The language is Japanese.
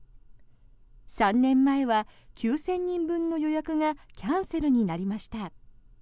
３年前は９０００人分の予約がキャンセルになりました。